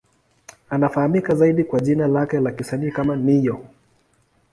Anafahamika zaidi kwa jina lake la kisanii kama Ne-Yo.